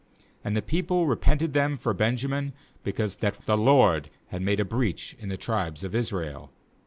15And the ^ people repented them for Ben jamin, because that the LORD had made a breach in the tribes of Israel.